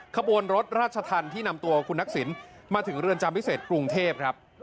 ขบวนรถราชธรรมที่นำตัวคุณทักษิณมาถึงเรือนจำพิเศษกรุงเทพครับ